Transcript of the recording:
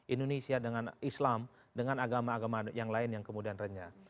indonesia dengan islam dengan agama agama yang lain yang kemudian renyah